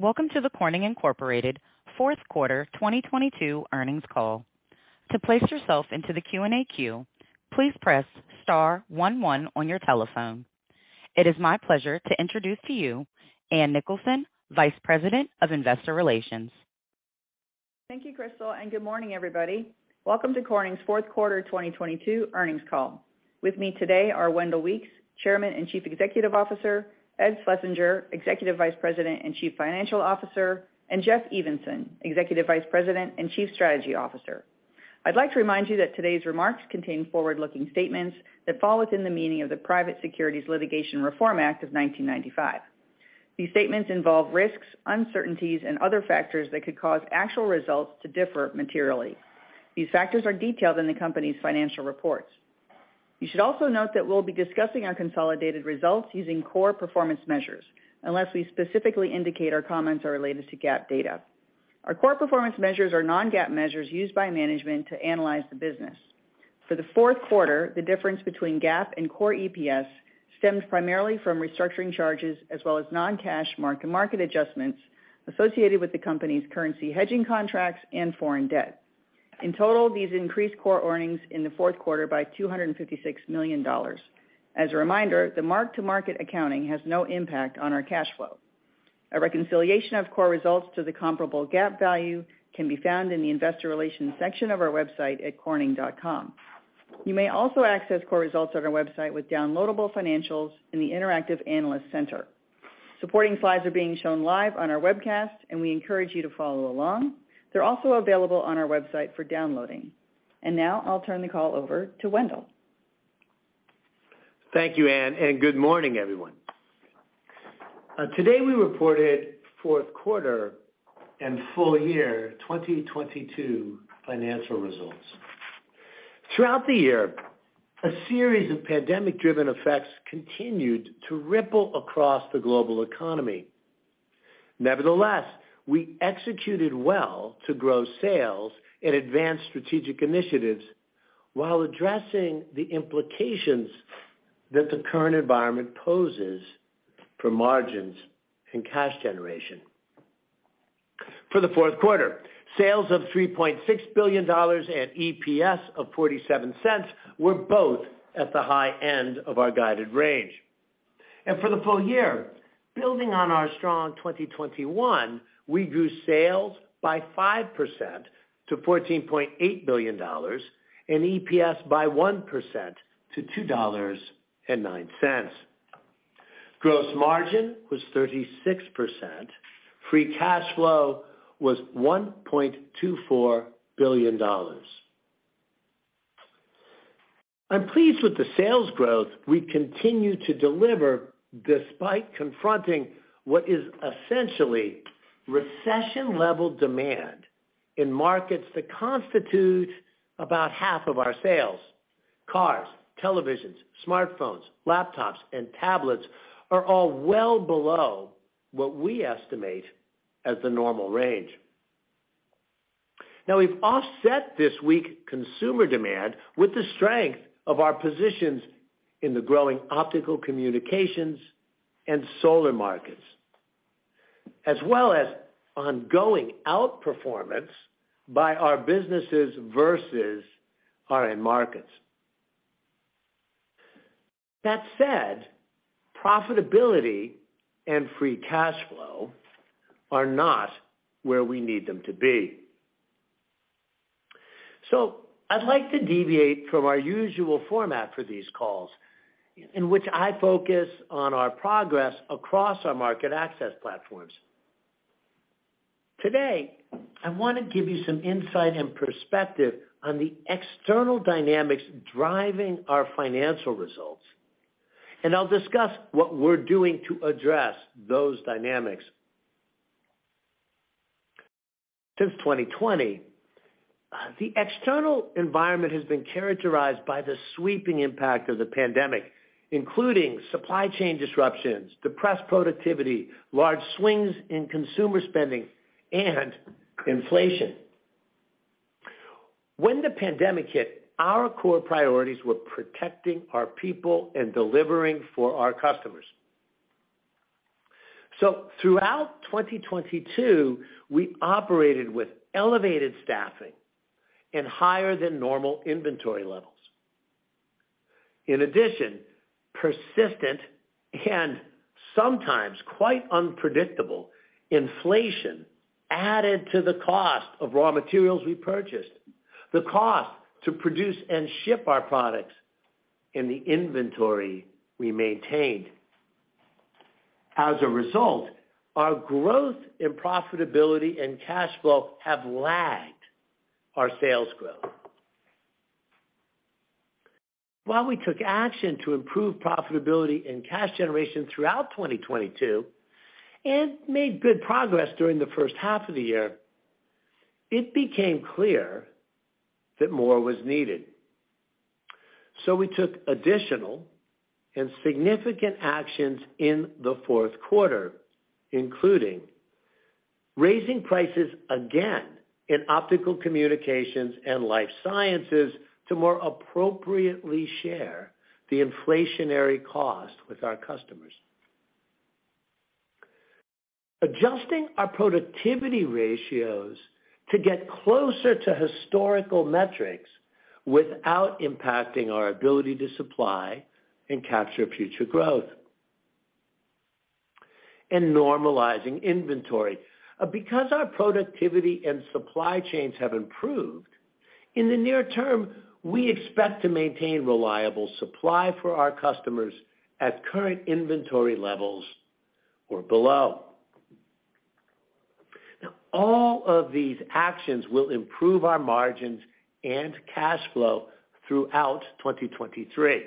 Welcome to the Corning Incorporated Q4 2022 earnings call. To place yourself into the Q&A queue, please press * 1 on your telephone. It is my pleasure to introduce to you Ann Nicholson, Vice President of Investor Relations. Thank you, Crystal, and good morning, everybody. Welcome to Corning's Q4 2022 earnings call. With me today are Wendell Weeks, Chairman and Chief Executive Officer, Ed Schlesinger, Executive Vice President and Chief Financial Officer, and Jeff Evenson, Executive Vice President and Chief Strategy Officer. I'd like to remind you that today's remarks contain forward-looking statements that fall within the meaning of the Private Securities Litigation Reform Act of 1995. These statements involve risks, uncertainties, and other factors that could cause actual results to differ materially. These factors are detailed in the company's financial reports. You should also note that we'll be discussing our consolidated results using core performance measures, unless we specifically indicate our comments are related to GAAP data. Our core performance measures are non-GAAP measures used by management to analyze the business. For the Q4, the difference between GAAP and core EPS stemmed primarily from restructuring charges as well as non-cash mark-to-market adjustments associated with the company's currency hedging contracts and foreign debt. In total, these increased core earnings in the Q4 by $256 million. As a reminder, the mark-to-market accounting has no impact on our cash flow. A reconciliation of core results to the comparable GAAP value can be found in the investor relations section of our website at corning.com. You may also access core results on our website with downloadable financials in the Interactive Analyst Center. Supporting slides are being shown live on our webcast, and we encourage you to follow along. They're also available on our website for downloading. Now I'll turn the call over to Wendell. Thank you, Ann, and good morning, everyone. Today we reported Q4 and full year 2022 financial results. Throughout the year, a series of pandemic-driven effects continued to ripple across the global economy. Nevertheless, we executed well to grow sales and advance strategic initiatives while addressing the implications that the current environment poses for margins and cash generation. For the Q4, Sales of $3.6 billion and EPS of $0.47 were both at the high end of our guided range. For the full year, building on our strong 2021, we grew sales by 5% to $14.8 billion and EPS by 1% to $2.09. Gross margin was 36%. Free cash flow was $1.24 billion. I'm pleased with the sales growth we continue to deliver despite confronting what is essentially recession-level demand in markets that constitute about half of our sales. Cars, televisions, smartphones, laptops, and tablets are all well below what we estimate as the normal range. We've offset this weak consumer demand with the strength of our positions in the growing optical communications and solar markets, as well as ongoing outperformance by our businesses versus our end markets. Profitability and free cash flow are not where we need them to be. I'd like to deviate from our usual format for these calls in which I focus on our progress across our market access platforms. Today, I want to give you some insight and perspective on the external dynamics driving our financial results, and I'll discuss what we're doing to address those dynamics. Since 2020, the external environment has been characterized by the sweeping impact of the pandemic, including supply chain disruptions, depressed productivity, large swings in consumer spending and inflation. When the pandemic hit, our core priorities were protecting our people and delivering for our customers. Throughout 2022, we operated with elevated staffing and higher than normal inventory levels. In addition, persistent and sometimes quite unpredictable inflation added to the cost of raw materials we purchased, the cost to produce and ship our products, and the inventory we maintained. As a result, our growth in profitability and cash flow have lagged our sales growth. While we took action to improve profitability and cash generation throughout 2022 and made good progress during the H1 of the year, it became clear that more was needed. We took additional and significant actions in the Q4, including raising prices again in optical communications and life sciences to more appropriately share the inflationary cost with our customers. Adjusting our productivity ratios to get closer to historical metrics without impacting our ability to supply and capture future growth. Normalizing inventory. Our productivity and supply chains have improved, in the near term, we expect to maintain reliable supply for our customers at current inventory levels or below. All of these actions will improve our margins and cash flow throughout 2023.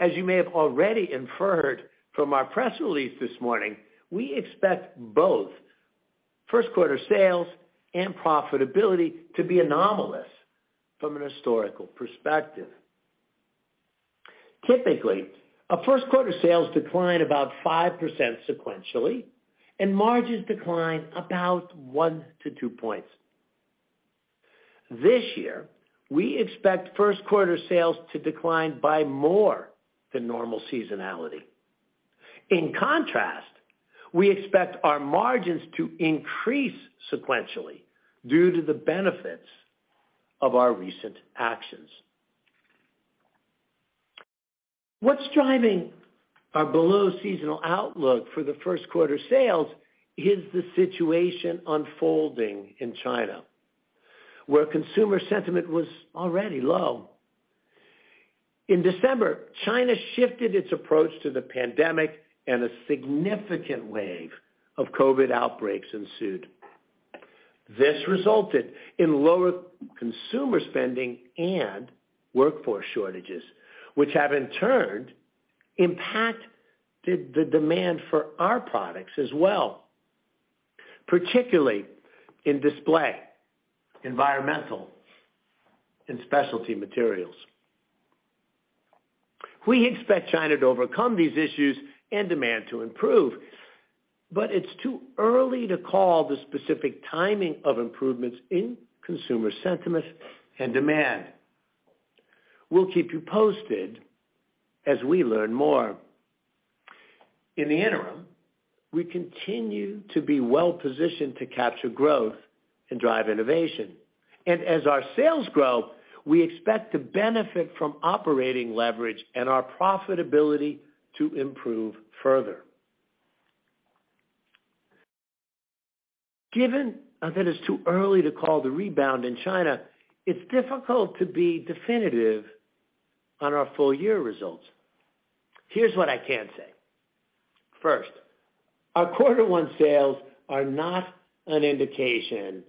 As you may have already inferred from our press release this morning, we expect both Q1 sales and profitability to be anomalous from an historical perspective. Typically, our Q1 sales decline about 5% sequentially, and margins decline about 1 to 2 points. This year, we expect Q1 sales to decline by more than normal seasonality. We expect our margins to increase sequentially due to the benefits of our recent actions. What's driving our below seasonal outlook for the Q1 sales is the situation unfolding in China, where consumer sentiment was already low. In December, China shifted its approach to the pandemic and a significant wave of COVID outbreaks ensued. This resulted in lower consumer spending and workforce shortages, which have in turn impacted the demand for our products as well, particularly in display, environmental, and specialty materials. We expect China to overcome these issues and demand to improve. It's too early to call the specific timing of improvements in consumer sentiment and demand. We'll keep you posted as we learn more. In the interim, we continue to be well-positioned to capture growth and drive innovation. As our sales grow, we expect to benefit from operating leverage and our profitability to improve further. Given that it's too early to call the rebound in China, it's difficult to be definitive on our full year results. Here's what I can say. 1st, our Q1 sales are not an indication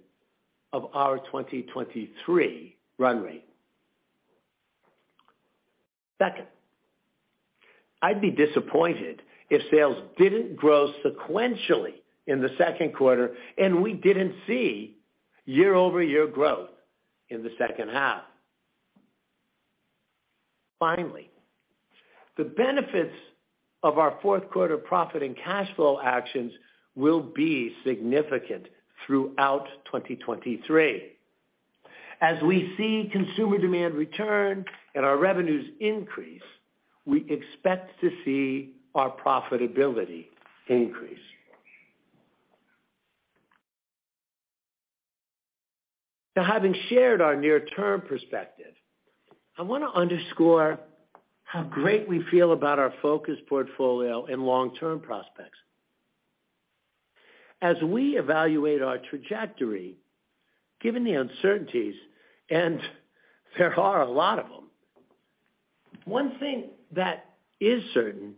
of our 2023 run rate. 2nd, I'd be disappointed if sales didn't grow sequentially in the Q2, and we didn't see year-over-year growth in the H2. Finally, the benefits of our Q4 profit and cash flow actions will be significant throughout 2023. As we see consumer demand return and our revenues increase, we expect to see our profitability increase. Having shared our near term perspective, I wanna underscore how great we feel about our focus portfolio and long-term prospects. As we evaluate our trajectory, given the uncertainties, and there are a lot of them, 1 thing that is certain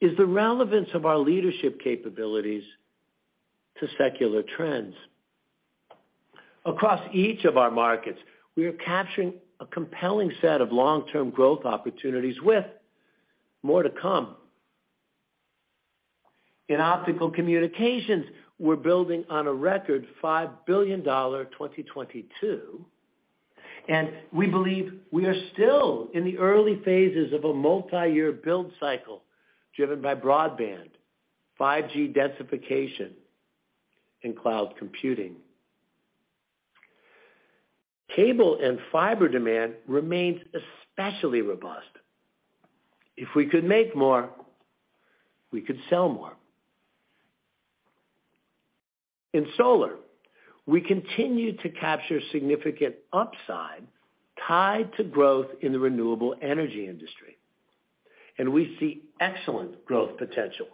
is the relevance of our leadership capabilities to secular trends. Across each of our markets, we are capturing a compelling set of long-term growth opportunities with more to come. In optical communications, we're building on a record $5 billion 2022, and we believe we are still in the early phases of a multi-year build cycle driven by broadband, 5G densification, and cloud computing. Cable and fiber demand remains especially robust. If we could make more, we could sell more. In solar, we continue to capture significant upside tied to growth in the renewable energy industry, and we see excellent growth potential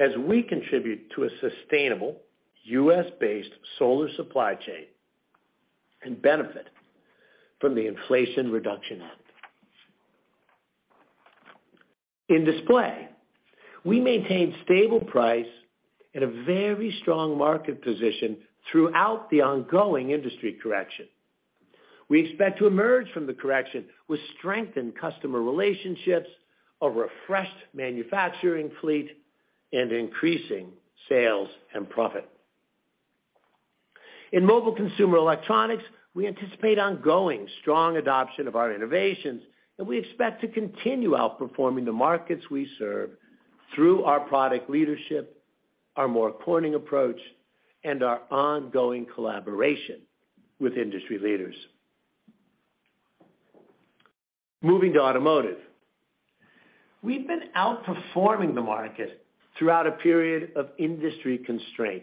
as we contribute to a sustainable U.S.-based solar supply chain and benefit from the Inflation Reduction Act. In display, we maintain stable price in a very strong market position throughout the ongoing industry correction. We expect to emerge from the correction with strengthened customer relationships, a refreshed manufacturing fleet, and increasing sales and profit. In mobile consumer electronics, we anticipate ongoing strong adoption of our innovations. We expect to continue outperforming the markets we serve through our product leadership, our More Corning approach, and our ongoing collaboration with industry leaders. Moving to automotive. We've been outperforming the market throughout a period of industry constraint.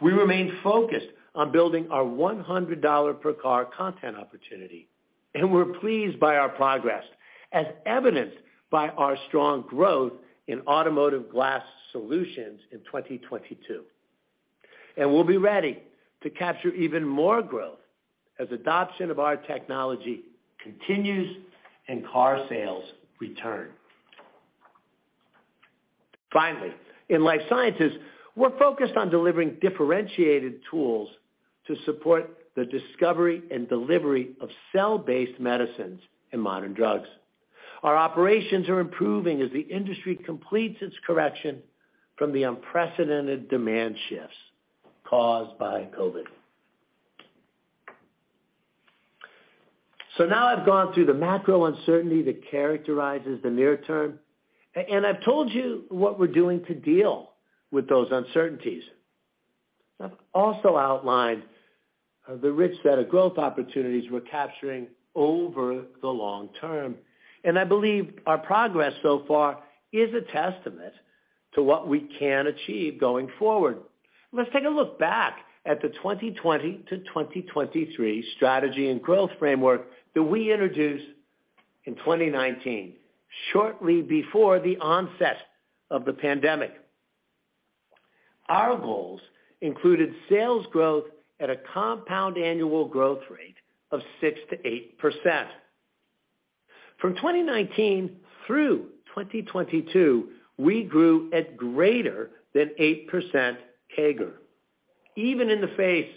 We remain focused on building our $100 per car content opportunity. We're pleased by our progress, as evidenced by our strong growth in automotive glass solutions in 2022. We'll be ready to capture even more growth as adoption of our technology continues and car sales return. In life sciences, we're focused on delivering differentiated tools to support the discovery and delivery of cell-based medicines and modern drugs. Our operations are improving as the industry completes its correction from the unprecedented demand shifts caused by COVID. Now I've gone through the macro uncertainty that characterizes the near term, and I've told you what we're doing to deal with those uncertainties. I've also outlined the rich set of growth opportunities we're capturing over the long term, and I believe our progress so far is a testament to what we can achieve going forward. Let's take a look back at the 2020 to 2023 strategy and growth framework that we introduced in 2019, shortly before the onset of the pandemic. Our goals included sales growth at a compound annual growth rate of 6%-8%. From 2019 through 2022, we grew at greater than 8% CAGR, even in the face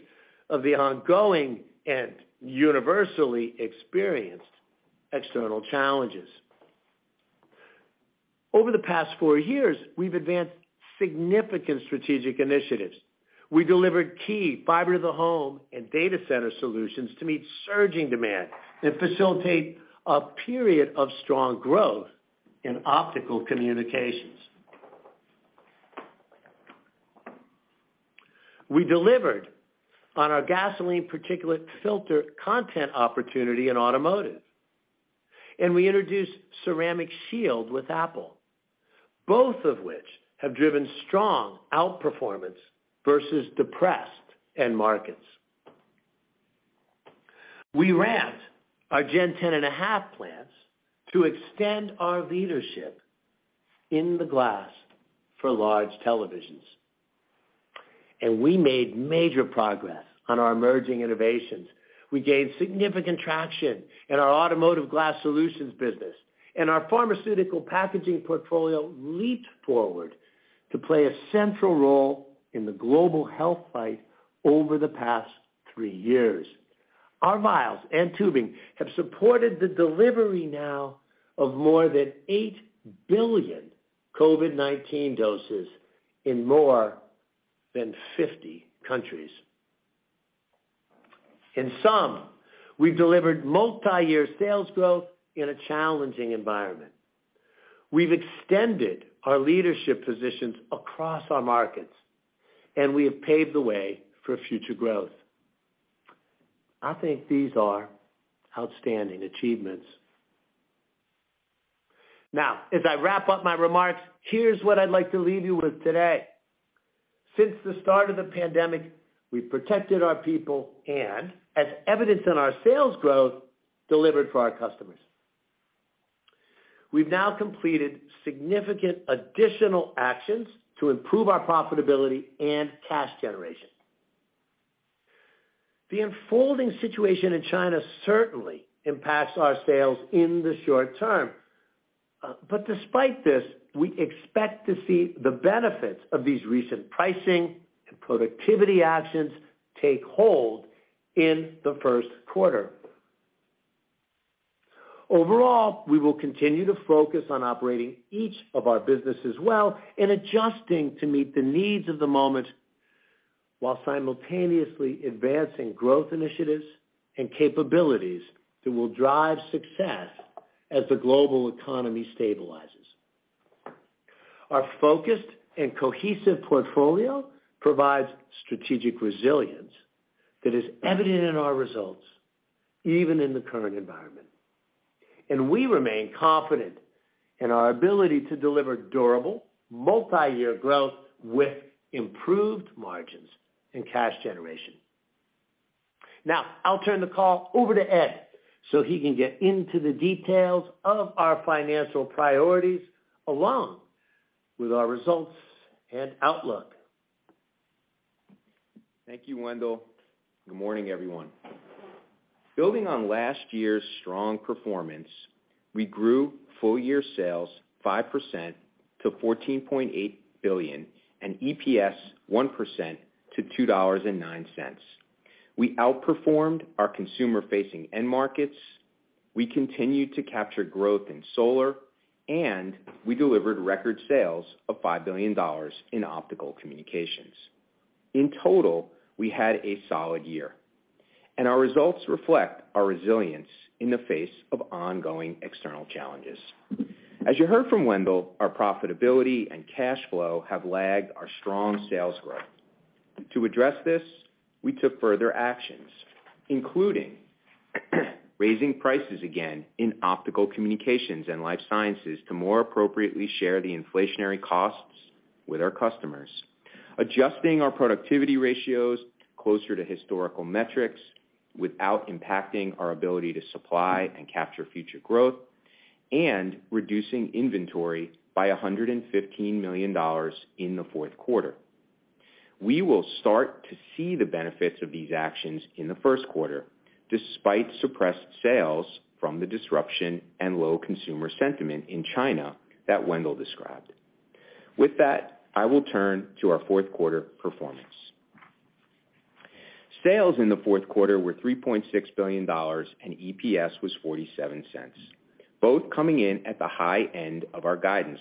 of the ongoing and universally experienced external challenges. Over the past 4 years, we've advanced significant strategic initiatives. We delivered key fiber to the home and data center solutions to meet surging demand and facilitate a period of strong growth in optical communications. We delivered on our gasoline particulate filter content opportunity in automotive, and we introduced Ceramic Shield with Apple, both of which have driven strong outperformance versus depressed end markets. We ramped our Gen 10.5 plants to extend our leadership in the glass for large televisions. We made major progress on our emerging innovations. We gained significant traction in our automotive glass solutions business, and our pharmaceutical packaging portfolio leaped forward to play a central role in the global health fight over the past 3 years. Our vials and tubing have supported the delivery now of more than 8 billion COVID-19 doses in more than 50 countries. In sum, we've delivered multiyear sales growth in a challenging environment. We've extended our leadership positions across our markets, and we have paved the way for future growth. I think these are outstanding achievements. As I wrap up my remarks, here's what I'd like to leave you with today. Since the start of the pandemic, we've protected our people and, as evidenced in our sales growth, delivered for our customers. We've now completed significant additional actions to improve our profitability and cash generation. The unfolding situation in China certainly impacts our sales in the short term, but despite this, we expect to see the benefits of these recent pricing and productivity actions take hold in the Q1. Overall, we will continue to focus on operating each of our businesses well and adjusting to meet the needs of the moment while simultaneously advancing growth initiatives and capabilities that will drive success as the global economy stabilizes. Our focused and cohesive portfolio provides strategic resilience that is evident in our results, even in the current environment. We remain confident in our ability to deliver durable, multiyear growth with improved margins and cash generation. Now I'll turn the call over to Ed so he can get into the details of our financial priorities, along with our results and outlook. Thank you, Wendell. Good morning, everyone. Building on last year's strong performance, we grew full year sales 5% to $14.8 billion and EPS 1% to $2.09. We outperformed our consumer facing end markets. We continued to capture growth in solar, we delivered record sales of $5 billion in optical communications. In total, we had a solid year, our results reflect our resilience in the face of ongoing external challenges. As you heard from Wendell, our profitability and cash flow have lagged our strong sales growth. To address this, we took further actions, including raising prices again in optical communications and life sciences to more appropriately share the inflationary costs with our customers. Adjusting our productivity ratios closer to historical metrics without impacting our ability to supply and capture future growth, and reducing inventory by $115 million in the Q4. We will start to see the benefits of these actions in the Q1, despite suppressed sales from the disruption and low consumer sentiment in China that Wendell described. With that, I will turn to our Q4 performance. Sales in the Q4 were $3.6 billion, and EPS was $0.47, both coming in at the high end of our guidance.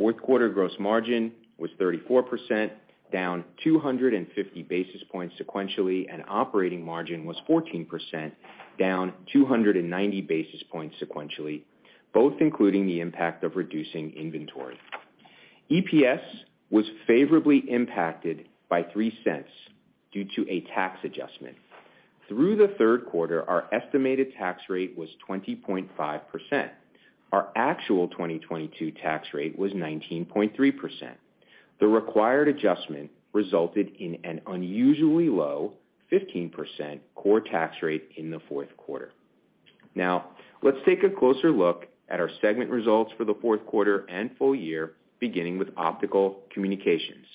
Q4 gross margin was 34%, down 250 basis points sequentially, and operating margin was 14%, down 290 basis points sequentially, both including the impact of reducing inventory. EPS was favorably impacted by $0.03 due to a tax adjustment. Through the Q3, our estimated tax rate was 20.5%. Our actual 2022 tax rate was 19.3%. The required adjustment resulted in an unusually low 15% core tax rate in the Q4. Let's take a closer look at our segment results for the Q4 and full year, beginning with optical communications.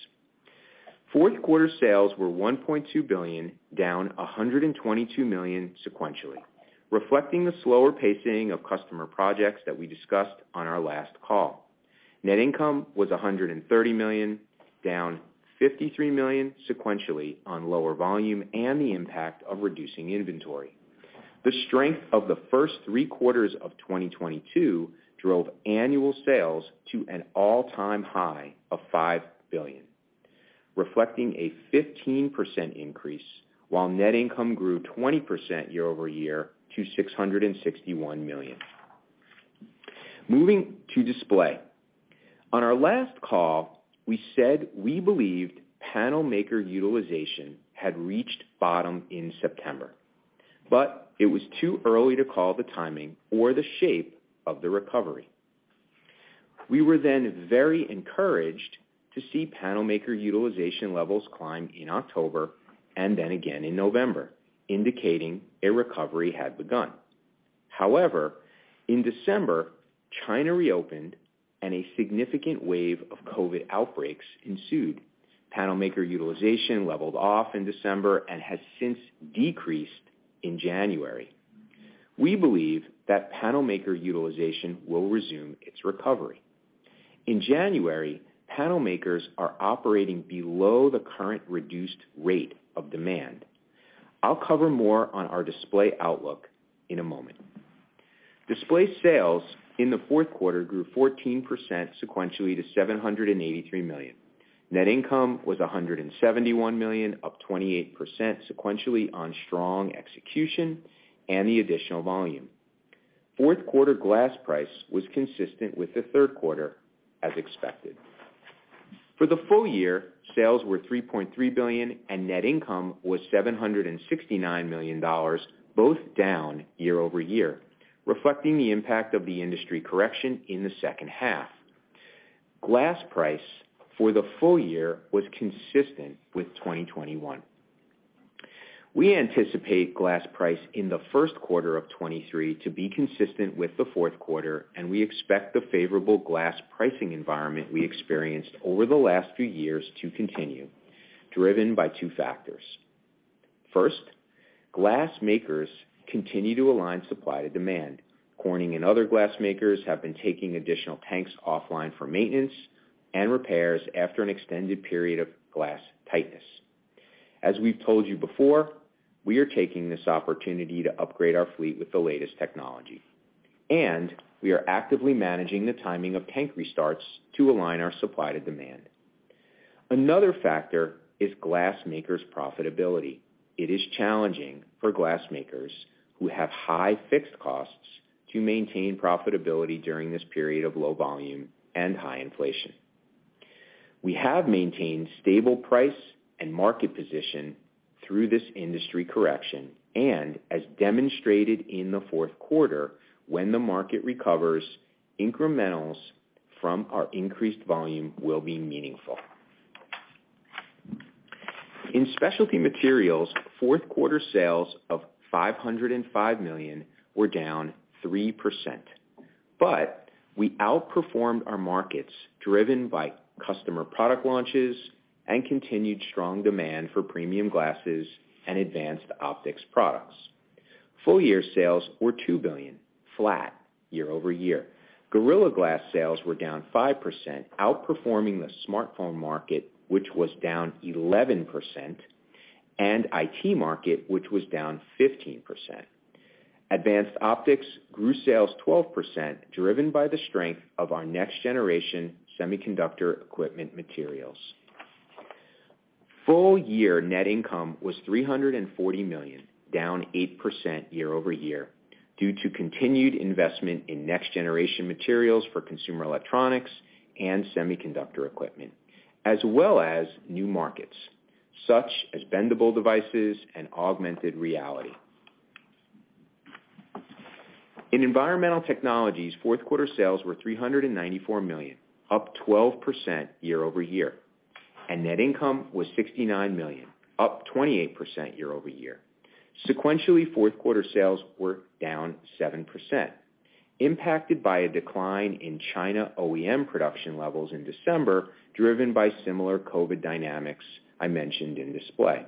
Q4 sales were $1.2 billion, down $122 million sequentially, reflecting the slower pacing of customer projects that we discussed on our last call. Net income was $130 million, down $53 million sequentially on lower volume and the impact of reducing inventory. The strength of the first 3 quarters of 2022 drove annual sales to an all-time high of $5 billion, reflecting a 15% increase, while net income grew 20% year-over-year to $661 million. Moving to display. On our last call, we said we believed panel maker utilization had reached bottom in September, but it was too early to call the timing or the shape of the recovery. We were very encouraged to see panel maker utilization levels climb in October and then again in November, indicating a recovery had begun. In December, China reopened and a significant wave of COVID outbreaks ensued. Panel maker utilization leveled off in December and has since decreased in January. We believe that panel maker utilization will resume its recovery. In January, panel makers are operating below the current reduced rate of demand. I'll cover more on our display outlook in a moment. Display sales in the Q4 grew 14% sequentially to $783 million. Net income was $171 million, up 28% sequentially on strong execution and the additional volume.Q4 glass price was consistent with the Q3 as expected. For the full year, sales were $3.3 billion and net income was $769 million, both down year-over-year, reflecting the impact of the industry correction in the H2. Glass price for the full year was consistent with 2021. We anticipate glass price in the Q1 of 2023 to be consistent with the Q4, and we expect the favorable glass pricing environment we experienced over the last few years to continue, driven by 2 factors. 1st, glass makers continue to align supply to demand. Corning and other glass makers have been taking additional tanks offline for maintenance and repairs after an extended period of glass tightness. As we've told you before, we are taking this opportunity to upgrade our fleet with the latest technology, and we are actively managing the timing of tank restarts to align our supply to demand. Another factor is glass makers' profitability. It is challenging for glass makers who have high fixed costs to maintain profitability during this period of low volume and high inflation. We have maintained stable price and market position through this industry correction, and as demonstrated in the Q4, when the market recovers, incrementals from our increased volume will be meaningful. In specialty materials, Q4 sales of $505 million were down 3%. We outperformed our markets driven by customer product launches and continued strong demand for premium glasses and Advanced Optics products. Full year sales were $2 billion, flat year-over-year. Gorilla Glass sales were down 5%, outperforming the smartphone market, which was down 11%, and IT market, which was down 15%. Advanced Optics grew sales 12%, driven by the strength of our next generation semiconductor equipment materials. Full year net income was $340 million, down 8% year-over-year due to continued investment in next-generation materials for consumer electronics and semiconductor equipment, as well as new markets such as bendable devices and augmented reality. In Environmental Technologies, Q4 sales were $394 million, up 12% year-over-year. Net income was $69 million, up 28% year-over-year. Sequentially, Q4 sales were down 7%, impacted by a decline in China OEM production levels in December, driven by similar COVID dynamics I mentioned in Display.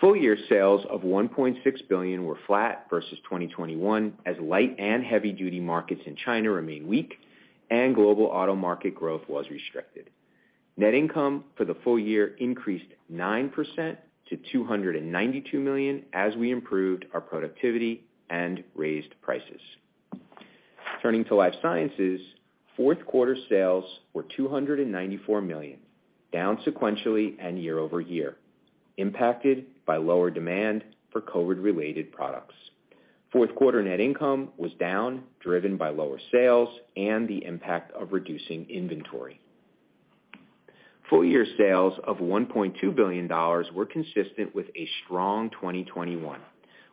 Full year sales of $1.6 billion were flat versus 2021 as light and heavy duty markets in China remain weak and global auto market growth was restricted. Net income for the full year increased 9% to $292 million as we improved our productivity and raised prices. Turning to Life Sciences, Q4 sales were $294 million, down sequentially and year-over-year, impacted by lower demand for COVID-related products. Q4 net income was down, driven by lower sales and the impact of reducing inventory. Full year sales of $1.2 billion were consistent with a strong 2021,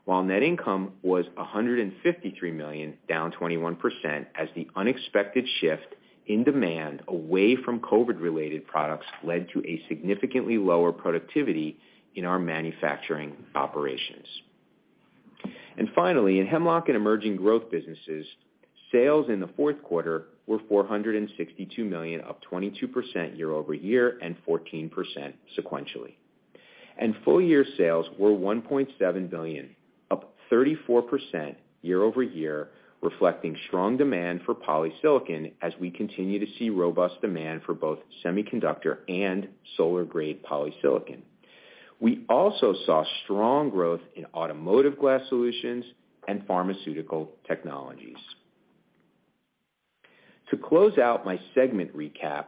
while net income was $153 million, down 21% as the unexpected shift in demand away from COVID-related products led to a significantly lower productivity in our manufacturing operations. Finally, in Hemlock and Emerging Growth Businesses, sales in the Q4 were $462 million, up 22% year-over-year and 14% sequentially. Full year sales were $1.7 billion, up 34% year-over-year, reflecting strong demand for polysilicon as we continue to see robust demand for both semiconductor and solar-grade polysilicon. We also saw strong growth in automotive glass solutions and pharmaceutical technologies. To close out my segment recap,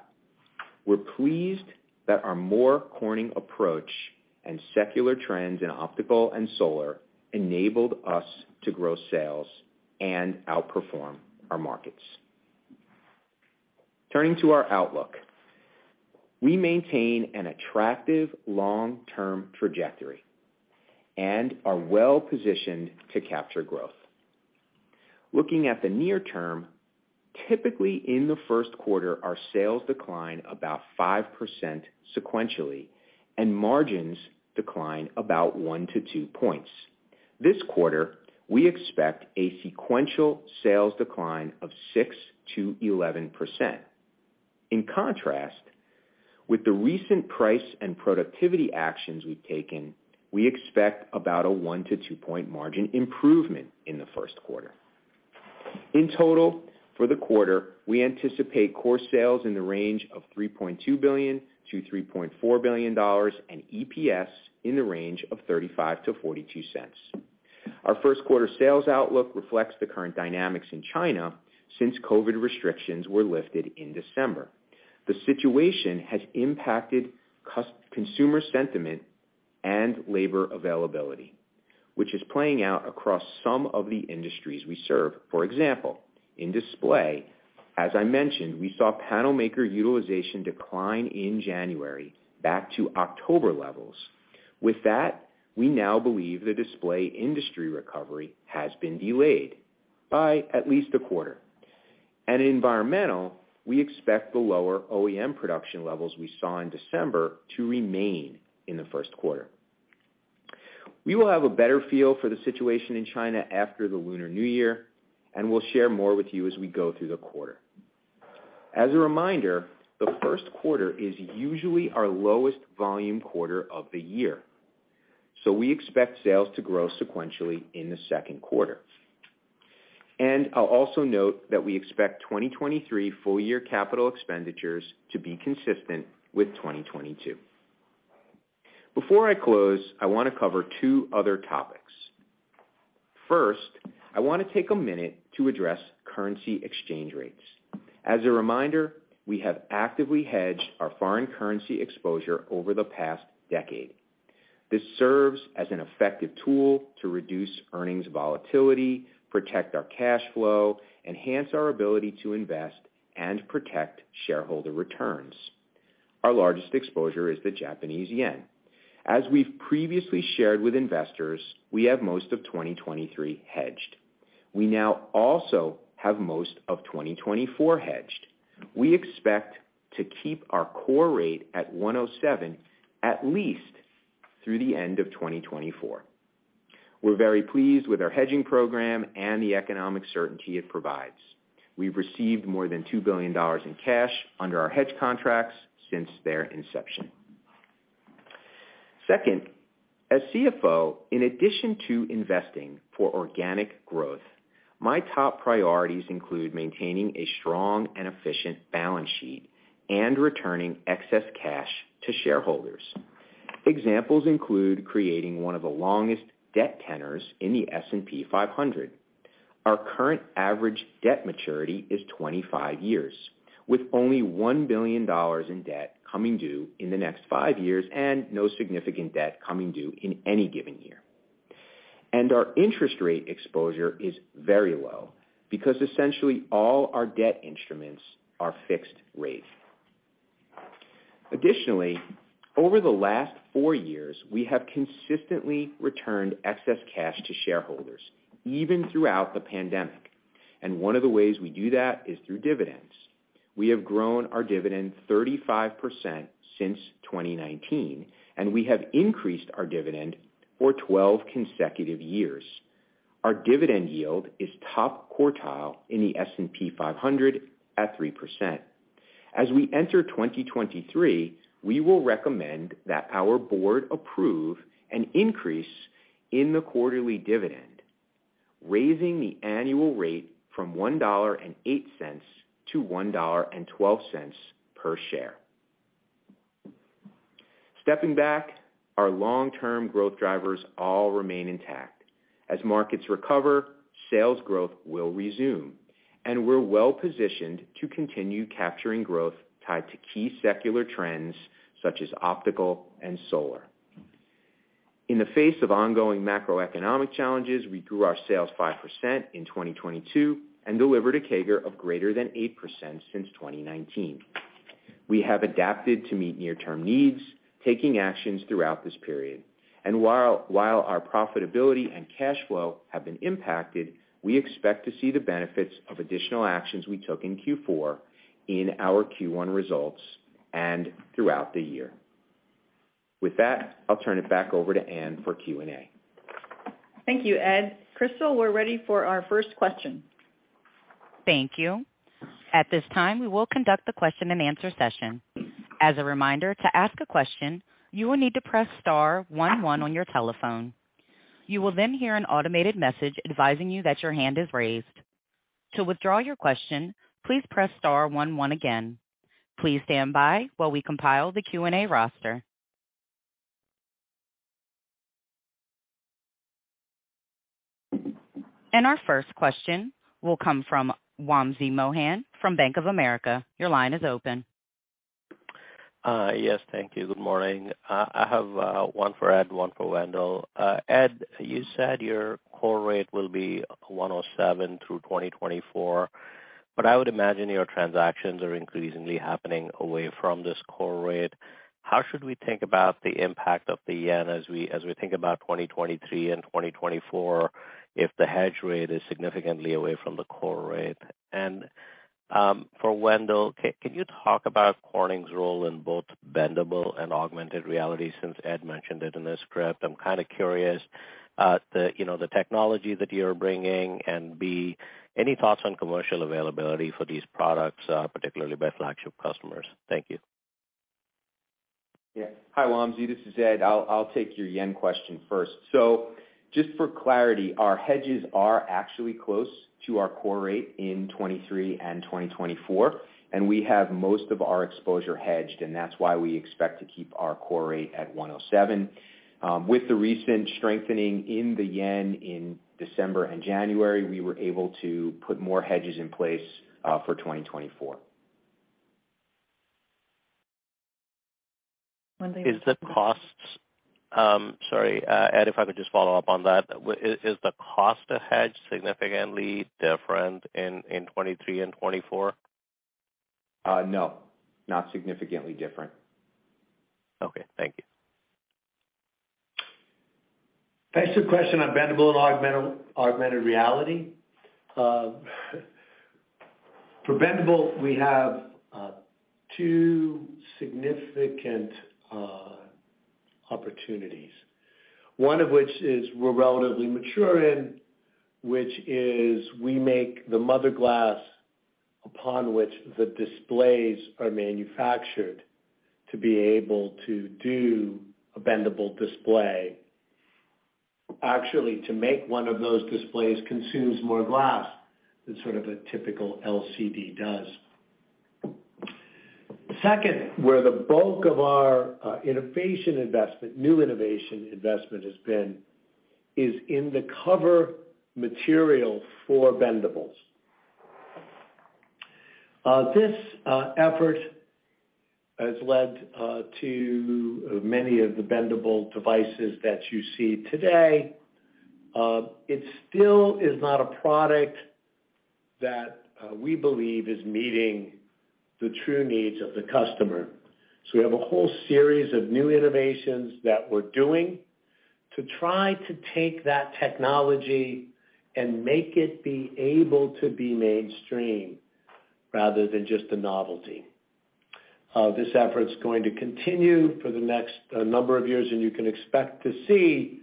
we're pleased that our More Corning approach and secular trends in optical and solar enabled us to grow sales and outperform our markets. Turning to our outlook. We maintain an attractive long-term trajectory and are well-positioned to capture growth. Looking at the near term, typically in the Q1, our sales decline about 5% sequentially, and margins decline about 1-2 points. This quarter, we expect a sequential sales decline of 6%-11%. In contrast, with the recent price and productivity actions we've taken, we expect about a 1-2 point margin improvement in the Q1. In total, for the quarter, we anticipate core sales in the range of $3.2 billion to $3.4 billion and EPS in the range of $0.35-$0.42. Our Q1 sales outlook reflects the current dynamics in China since COVID restrictions were lifted in December. The situation has impacted consumer sentiment and labor availability, which is playing out across some of the industries we serve. For example, in Display, as I mentioned, we saw panel maker utilization decline in January back to October levels. With that, we now believe the display industry recovery has been delayed by at least a quarter. Environmental, we expect the lower OEM production levels we saw in December to remain in the Q1. We will have a better feel for the situation in China after the Lunar New Year, and we'll share more with you as we go through the quarter. As a reminder, the Q1 is usually our lowest volume quarter of the year. We expect sales to grow sequentially in the Q2. I'll also note that we expect 2023 full year CapEx to be consistent with 2022. Before I close, I want to cover 2 other topics. 1st, I want to take a minute to address currency exchange rates. As a reminder, we have actively hedged our foreign currency exposure over the past decade. This serves as an effective tool to reduce earnings volatility, protect our cash flow, enhance our ability to invest, and protect shareholder returns. Our largest exposure is the Japanese yen. As we've previously shared with investors, we have most of 2023 hedged. We now also have most of 2024 hedged. We expect to keep our core rate at 107, at least through the end of 2024. We're very pleased with our hedging program and the economic certainty it provides. We've received more than $2 billion in cash under our hedge contracts since their inception. 2nd, as CFO, in addition to investing for organic growth, my top priorities include maintaining a strong and efficient balance sheet and returning excess cash to shareholders. Examples include creating 1 of the longest debt tenors in the S&P 500. Our current average debt maturity is 25 years, with only $1 billion in debt coming due in the next 5 years and no significant debt coming due in any given year. Our interest rate exposure is very low because essentially all our debt instruments are fixed rate. Additionally, over the last 4 years, we have consistently returned excess cash to shareholders, even throughout the pandemic. 1 of the ways we do that is through dividends. We have grown our dividend 35% since 2019, and we have increased our dividend for 12 consecutive years. Our dividend yield is top quartile in the S&P 500 at 3%. As we enter 2023, we will recommend that our board approve an increase in the quarterly dividend, raising the annual rate from $1.08 to $1.12 per share. Stepping back, our long-term growth drivers all remain intact. As markets recover, sales growth will resume, and we're well-positioned to continue capturing growth tied to key secular trends such as optical and solar. In the face of ongoing macroeconomic challenges, we grew our sales 5% in 2022 and delivered a CAGR of greater than 8% since 2019. We have adapted to meet near-term needs, taking actions throughout this period. While our profitability and cash flow have been impacted, we expect to see the benefits of additional actions we took in Q4 in our Q1 results and throughout the year. With that, I'll turn it back over to Ann for Q&A. Thank you, Ed. Crystal, we're ready for our 1st question. Thank you. At this time, we will conduct the question-and-answer session. As a reminder, to ask a question, you will need to press * 1 1 on your telephone. You will then hear an automated message advising you that your hand is raised. To withdraw your question, please press * 1 1 again. Please stand by while we compile the Q&A roster. Our 1st question will come from Wamsi Mohan from Bank of America. Your line is open. Yes, thank you. Good morning. I have 1 for Ed, 1 for Wendell. Ed, you said your core rate will be 107 through 2024, but I would imagine your transactions are increasingly happening away from this core rate. How should we think about the impact of the JPY as we think about 2023 and 2024 if the hedge rate is significantly away from the core rate? For Wendell, can you talk about Corning's role in both bendable and augmented reality since Ed mentioned it in his script? I'm kind of curious, you know, the technology that you're bringing and any thoughts on commercial availability for these products, particularly by flagship customers? Thank you. Hi, Wamsi. This is Ed. I'll take your yen question 1st. Just for clarity, our hedges are actually close to our core rate in 2023 and 2024, and we have most of our exposure hedged, and that's why we expect to keep our core rate at 107. With the recent strengthening in the yen in December and January, we were able to put more hedges in place for 2024. Wendell. Sorry, Ed, if I could just follow up on that. Is the cost to hedge significantly different in 2023 and 2024? No, not significantly different. Okay. Thank you. Thanks for the question on bendable and augmented reality. For bendable, we have 2 significant opportunities, 1 of which is we're relatively mature in, which is we make the mother glass upon which the displays are manufactured to be able to do a bendable display. Actually, to make 1 of those displays consumes more glass than sort of a typical LCD does. 2nd, where the bulk of our innovation investment, new innovation investment has been is in the cover material for bendables. This effort has led to many of the bendable devices that you see today. It still is not a product that we believe is meeting the true needs of the customer. We have a whole series of new innovations that we're doing to try to take that technology and make it be able to be mainstream rather than just a novelty. This effort's going to continue for the next number of years, and you can expect to see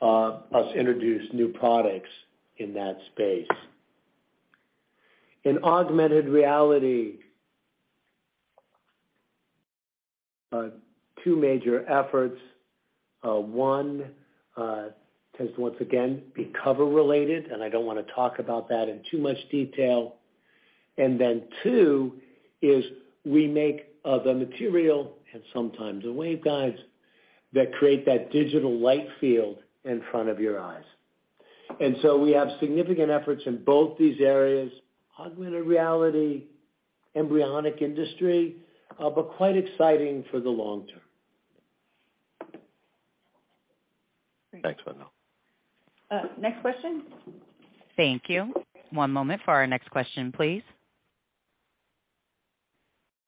us introduce new products in that space. In augmented reality, 2 major efforts. 1 tends to once again be cover related, and I don't wanna talk about that in too much detail. 2 is we make the material and sometimes the waveguides that create that digital light field in front of your eyes. We have significant efforts in both these areas. Augmented reality, embryonic industry, but quite exciting for the long term. Great. Thanks, Wendell. Next question. Thank you. One moment for our next question, please.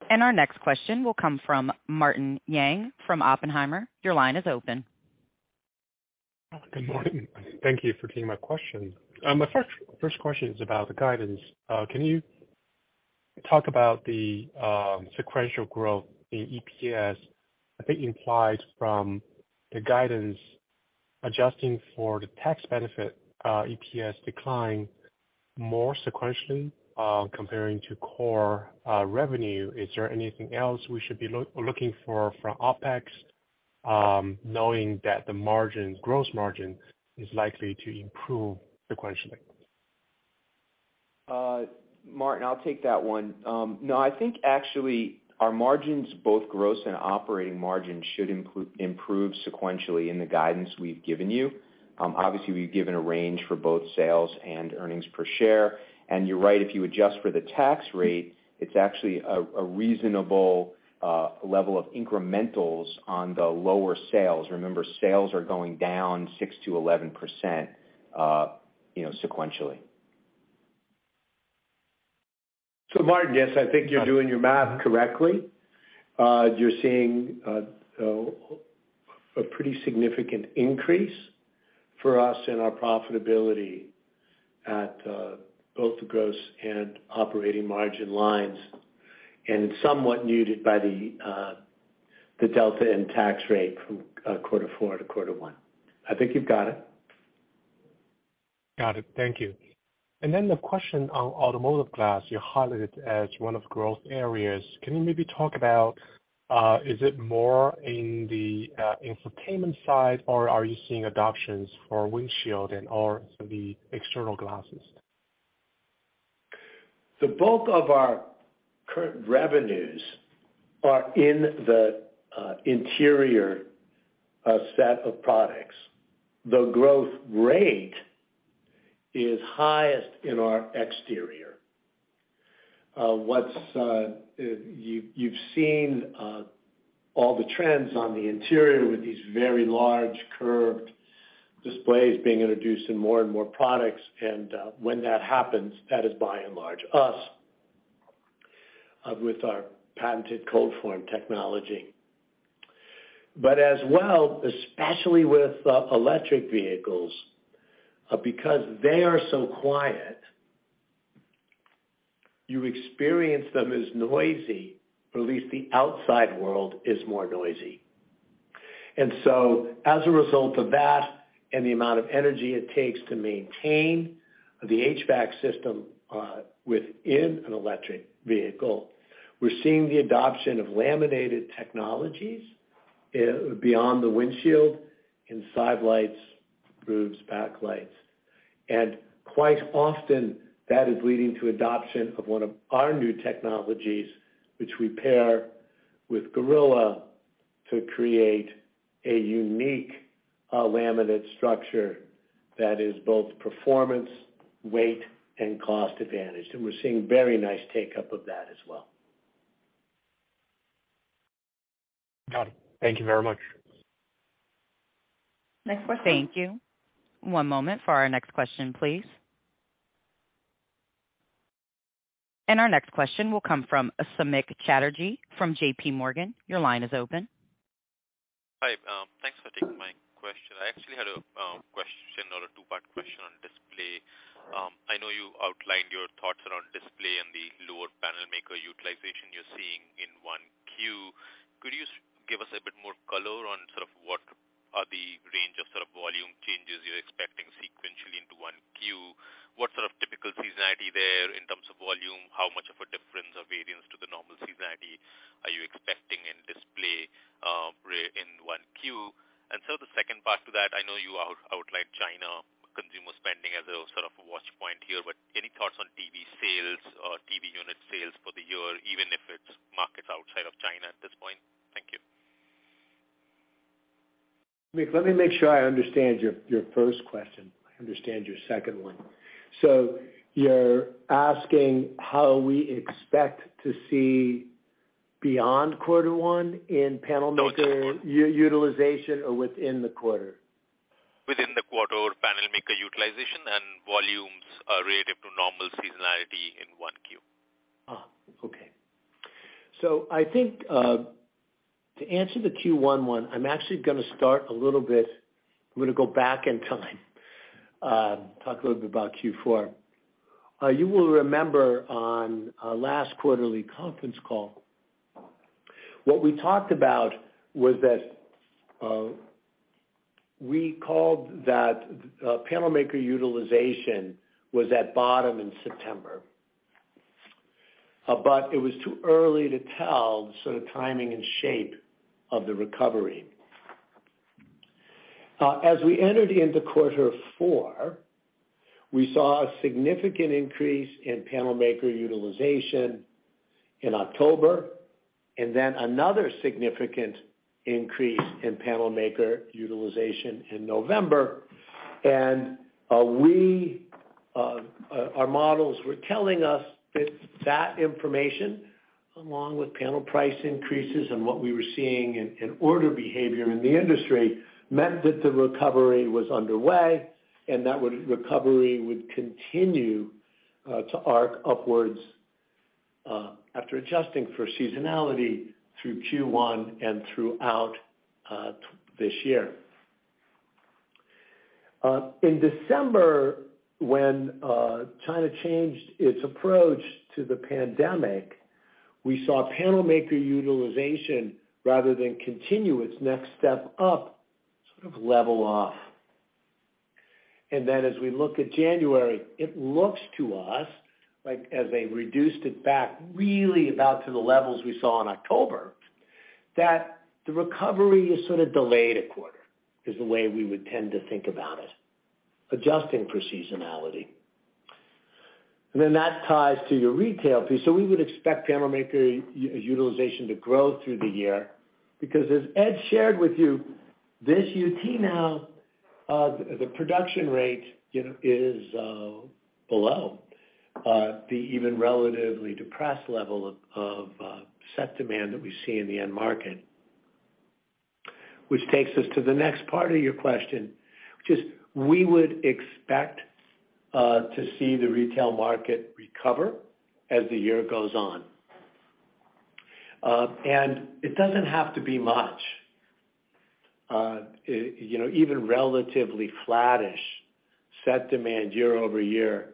Our next question will come from Martin Yang from Oppenheimer. Your line is open. Good morning. Thank you for taking my question. My 1st question is about the guidance. Can you talk about the sequential growth in EPS, I think implied from the guidance, adjusting for the tax benefit, EPS decline more sequentially, comparing to core revenue. Is there anything else we should be looking for from OpEx, knowing that the margin, gross margin is likely to improve sequentially? Martin, I'll take that 1. No, I think actually our margins, both gross and operating margin, should improve sequentially in the guidance we've given you. Obviously, we've given a range for both sales and earnings per share, and you're right, if you adjust for the tax rate, it's actually a reasonable level of incrementals on the lower sales. Remember, sales are going down 6%-11%, you know, sequentially. Martin, yes, I think you're doing your math correctly. You're seeing a pretty significant increase for us in our profitability at both the gross and operating margin lines, and somewhat muted by the delta in tax rate from Q4 to Q1. I think you've got it. Got it. Thank you. The question on automotive glass, you highlighted as 1 of growth areas. Can you maybe talk about, is it more in the infotainment side, or are you seeing adoptions for windshield and or the external glasses? The bulk of our current revenues are in the interior set of products. The growth rate is highest in our exterior. What's, you've seen all the trends on the interior with these very large curved displays being introduced in more and more products, and when that happens, that is by and large us, with our patented ColdForm Technology. As well, especially with electric vehicles, because they are so quiet, you experience them as noisy, or at least the outside world is more noisy. As a result of that and the amount of energy it takes to maintain the HVAC system within an electric vehicle, we're seeing the adoption of laminated technologies beyond the windshield in side lights, roofs, backlights. Quite often, that is leading to adoption of 1 of our new technologies, which we pair with Gorilla to create a unique laminate structure that is both performance, weight, and cost advantage. We're seeing very nice take up of that as well. Got it. Thank you very much. Next question. Thank you. One moment for our next question, please. Our next question will come from Samik Chatterjee from J.P. Morgan. Your line is open. Hi, thanks for taking my question. I actually had a question or a 2-part question on display. I know you outlined your thoughts around display and the lower panel maker utilization you're seeing in 1Q. Could you give us a bit more color on sort of what are the range of sort of volume changes you're expecting sequentially into 1Q? What sort of typical seasonality there in terms of volume? How much of a difference or variance to the normal seasonality are you expecting in display in 1Q? The 2nd part to that, I know you outlined China consumer spending as a sort of watch point here, but any thoughts on TV sales or TV unit sales for the year, even if it's markets outside of China at this point? Thank you. Nick, let me make sure I understand your 1st question. I understand your 2nd one. You're asking how we expect to see beyond Q1. Beyond Q1. utilization or within the quarter? Within the quarter panel maker utilization and volumes, relative to normal seasonality in 1Q. Okay. I think, to answer the Q1 one, I'm actually gonna start a little bit. I'm gonna go back in time, talk a little bit about Q4. You will remember on last quarterly conference call, what we talked about was that we called that panel maker utilization was at bottom in September. It was too early to tell the sort of timing and shape of the recovery. As we entered into Q4, we saw a significant increase in panel maker utilization in October, and then another significant increase in panel maker utilization in November. we our models were telling us that that information, along with panel price increases and what we were seeing in order behavior in the industry, meant that the recovery was underway and that recovery would continue to arc upwards after adjusting for seasonality through Q1 and throughout this year. In December when China changed its approach to the pandemic, we saw panel maker utilization rather than continue its next step up, sort of level off. As we look at January, it looks to us like as they reduced it back really about to the levels we saw in October, that the recovery is sort of delayed a quarter, is the way we would tend to think about it, adjusting for seasonality. That ties to your retail piece. We would expect panel maker utilization to grow through the year because as Ed shared with you this, the production rate, you know, is below the even relatively depressed level of set demand that we see in the end market. Which takes us to the next part of your question, which is we would expect to see the retail market recover as the year goes on. And it doesn't have to be much. You know, even relatively flattish set demand year-over-year,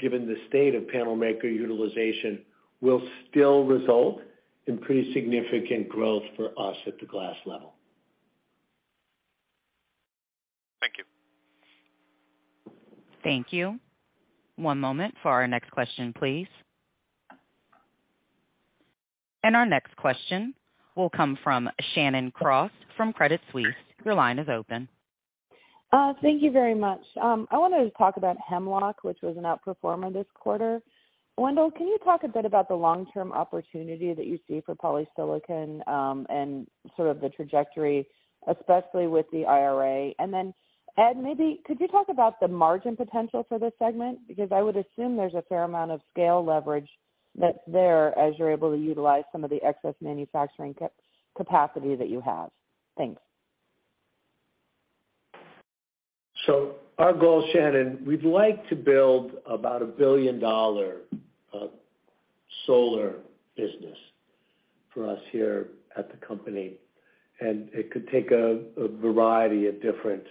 given the state of panel maker utilization, will still result in pretty significant growth for us at the glass level. Thank you. Thank you. One moment for our next question, please. Our next question will come from Shannon Cross from Credit Suisse. Your line is open. Thank you very much. I wanted to talk about Hemlock, which was an outperformer this quarter. Wendell, can you talk a bit about the long-term opportunity that you see for polysilicon and sort of the trajectory, especially with the IRA? Ed, maybe could you talk about the margin potential for this segment? I would assume there's a fair amount of scale leverage that's there as you're able to utilize some of the excess manufacturing capacity that you have. Thanks. Our goal, Shannon, we'd like to build about a $1,000,000,000 solar business for us here at the company, and it could take a variety of different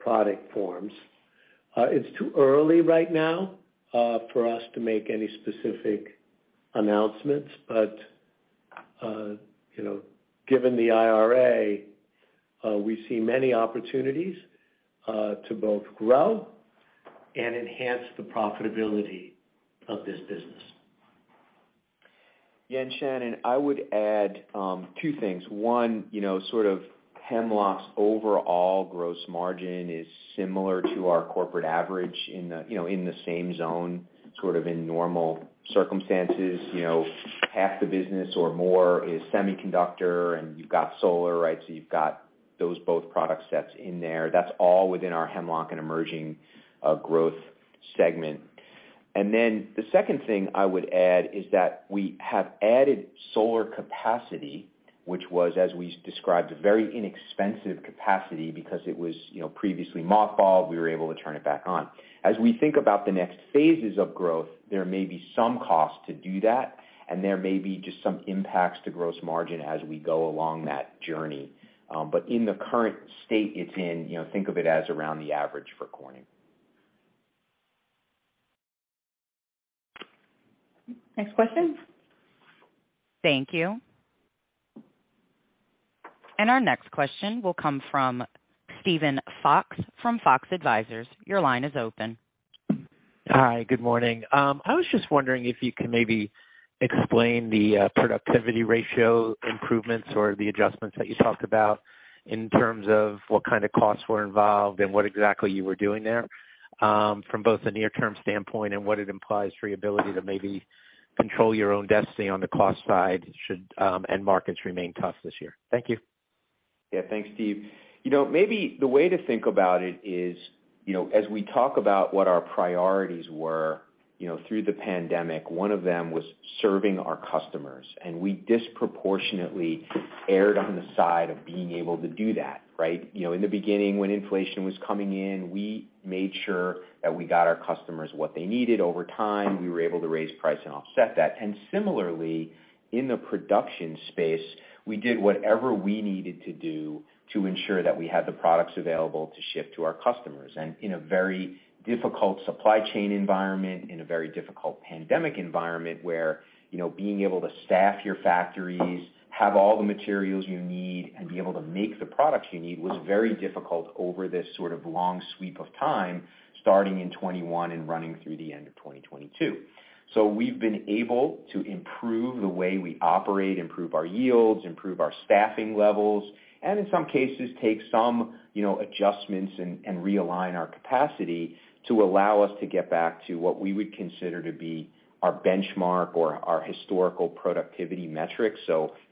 product forms. It's too early right now for us to make any specific announcements, but, you know, given the IRA, we see many opportunities to both grow and enhance the profitability of this business. Shannon, I would add, 2 things. 1, you know, sort of Hemlock's overall gross margin is similar to our corporate average in the, you know, in the same zone, sort of in normal circumstances. You know, half the business or more is semiconductor and you've got solar, right? You've got those both product sets in there. That's all within our Hemlock and emerging growth segment. The 2nd thing I would add is that we have added solar capacity, which was, as we described, a very inexpensive capacity because it was, you know, previously mothballed, we were able to turn it back on. As we think about the next phases of growth, there may be some cost to do that, and there may be just some impacts to gross margin as we go along that journey. In the current state it's in, you know, think of it as around the average for Corning. Next question. Thank you. Our next question will come from Steven Fox from Fox Advisors. Your line is open. Hi. Good morning. I was just wondering if you could maybe explain the productivity ratio improvements or the adjustments that you talked about in terms of what kind of costs were involved and what exactly you were doing there, from both a near-term standpoint and what it implies for your ability to maybe control your own destiny on the cost side should, and markets remain tough this year. Thank you. Yeah. Thanks, Steve. You know, maybe the way to think about it is, you know, as we talk about what our priorities were, you know, through the pandemic, 1 of them was serving our customers, and we disproportionately erred on the side of being able to do that, right? You know, in the beginning when inflation was coming in, we made sure that we got our customers what they needed over time. We were able to raise price and offset that. Similarly, in the production space, we did whatever we needed to do to ensure that we had the products available to ship to our customers. In a very difficult supply chain environment, in a very difficult pandemic environment, where, you know, being able to staff your factories, have all the materials you need, and be able to make the products you need was very difficult over this sort of long sweep of time, starting in 2021 and running through the end of 2022. We've been able to improve the way we operate, improve our yields, improve our staffing levels, and in some cases, take some, you know, adjustments and realign our capacity to allow us to get back to what we would consider to be our benchmark or our historical productivity metrics.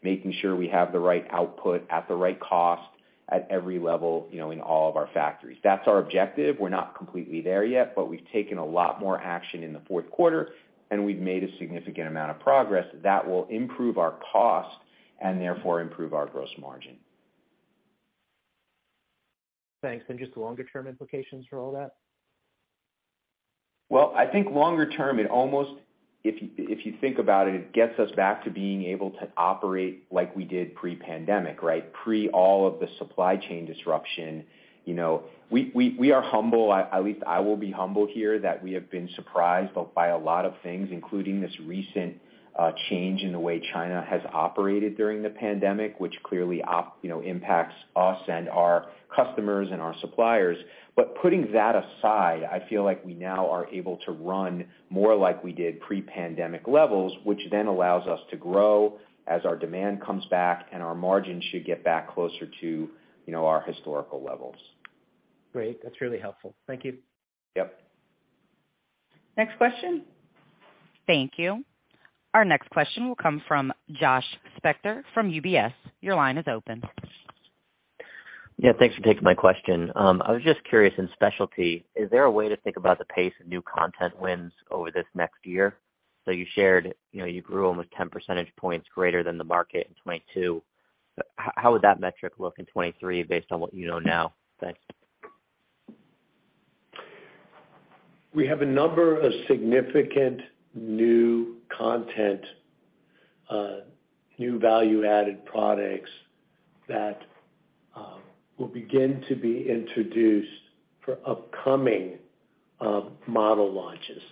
Making sure we have the right output at the right cost at every level, you know, in all of our factories. That's our objective. We're not completely there yet, but we've taken a lot more action in the Q4 and we've made a significant amount of progress that will improve our cost and therefore improve our gross margin. Thanks. Just the longer term implications for all that? Well, I think longer term, it almost if you think about it gets us back to being able to operate like we did pre-pandemic, right? Pre all of the supply chain disruption. You know, we are humble. At least I will be humble here that we have been surprised by a lot of things, including this recent change in the way China has operated during the pandemic, which clearly you know, impacts us and our customers and our suppliers. Putting that aside, I feel like we now are able to run more like we did pre-pandemic levels, which allows us to grow as our demand comes back and our margins should get back closer to, you know, our historical levels. Great. That's really helpful. Thank you. Yep. Next question. Thank you. Our next question will come from Josh Spector from UBS. Your line is open. Yeah, thanks for taking my question. I was just curious, in specialty, is there a way to think about the pace of new content wins over this next year? You shared, you know, you grew almost 10% points greater than the market in 2022. How would that metric look in 2023 based on what you know now? Thanks. We have a number of significant new content, new value-added products that will begin to be introduced for upcoming model launches.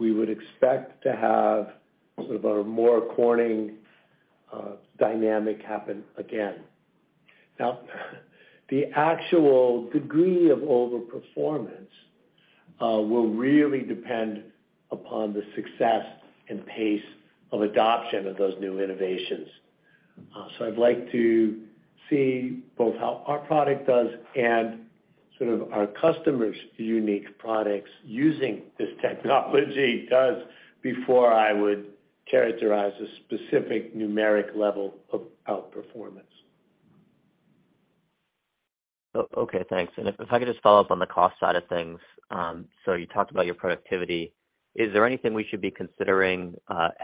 We would expect to have sort of a More Corning dynamic happen again. Now, the actual degree of overperformance will really depend upon the success and pace of adoption of those new innovations. I'd like to see both how our product does and sort of our customers' unique products using this technology does before I would characterize a specific numeric level of outperformance. Okay, thanks. If I could just follow up on the cost side of things. You talked about your productivity. Is there anything we should be considering,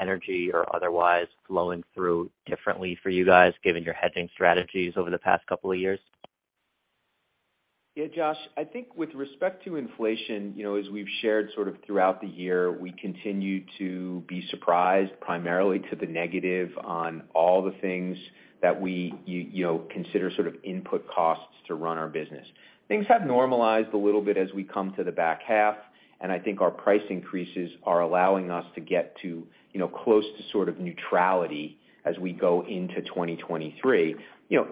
energy or otherwise, flowing through differently for you guys, given your hedging strategies over the past couple of years? Yeah, Josh. I think with respect to inflation, you know, as we've shared sort of throughout the year, we continue to be surprised, primarily to the negative on all the things that we, you know, consider sort of input costs to run our business. Things have normalized a little bit as we come to the back half, and I think our price increases are allowing us to get to, you know, close to sort of neutrality as we go into 2023. You know,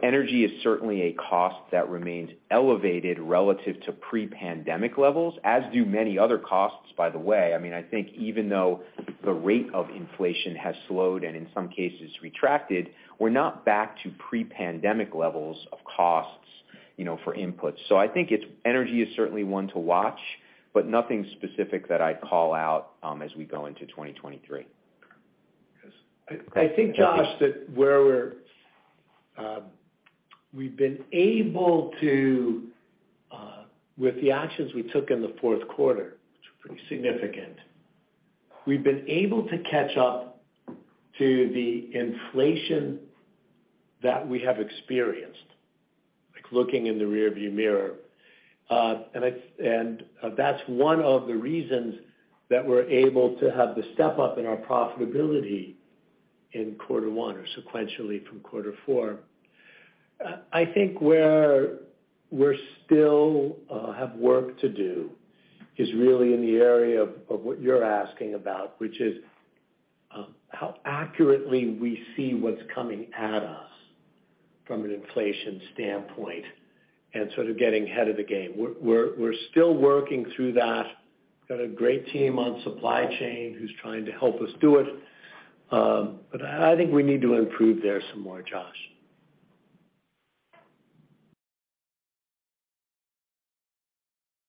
energy is certainly a cost that remains elevated relative to pre-pandemic levels, as do many other costs, by the way. I mean, I think even though the rate of inflation has slowed and in some cases retracted, we're not back to pre-pandemic levels of costs, you know, for input. I think energy is certainly 1 to watch, but nothing specific that I'd call out, as we go into 2023. I think, Josh, that where we're we've been able to, with the actions we took in the Q4, which were pretty significant, we've been able to catch up to the inflation that we have experienced, like looking in the rearview mirror. That's 1 of the reasons that we're able to have the step-up in our profitability in Q1 or sequentially from Q4. I think where we're still have work to do is really in the area of what you're asking about, which is how accurately we see what's coming at us from an inflation standpoint and sort of getting ahead of the game. We're still working through that. Got a great team on supply chain who's trying to help us do it. I think we need to improve there some more, Josh.